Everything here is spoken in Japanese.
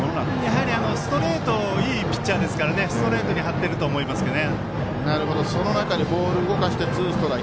やはり、ストレートがいいピッチャーですからストレートに張ってると思いますね。